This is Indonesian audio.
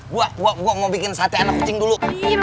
gua gua gua mau bikin sate anak kucing dulu